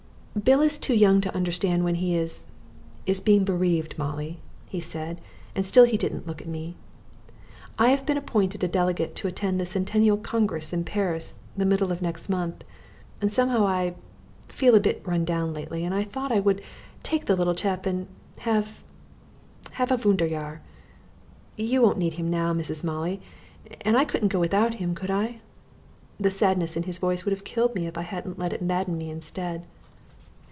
"Bill is too young to understand when he is is being bereaved, Molly," he said, and still he didn't look at me. "I have been appointed a delegate to attend the Centennial Congress in Paris the middle of next month and somehow I feel a bit run down lately and I thought I would take the little chap and have have a Wanderjahr. You won't need him now, Mrs. Molly, and I couldn't go without him, could I?" The sadness in his voice would have killed me if I hadn't let it madden me instead.